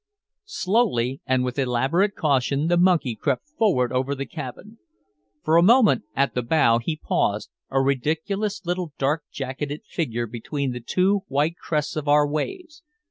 Slowly and with elaborate caution the monkey crept forward over the cabin. For a moment up at the bow he paused, a ridiculous little dark jacketed figure between the two white crests of our waves.